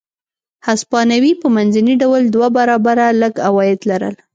هسپانوي په منځني ډول دوه برابره لږ عواید لرل.